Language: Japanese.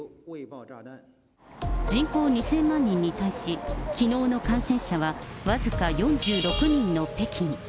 人口２０００万人に対し、きのうの感染者は僅か４６人の北京。